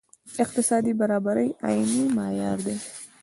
اقتصادي برابري عیني معیار دی.